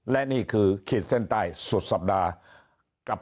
และนี่คือขีดเส้นใต้สุดสัปดาห์กับ